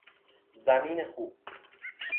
زمین خوب